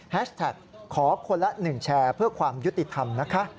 แท็กขอคนละ๑แชร์เพื่อความยุติธรรมนะคะ